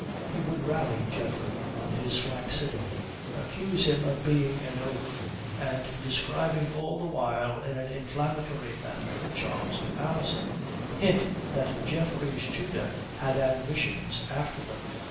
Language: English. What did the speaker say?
He would rally Geoffrey on his flaccidity; accuse him of being an oaf; and, describing all the while in an inflammatory manner the charms of Alison, hint that Geoffrey's tutor had ambitions after them.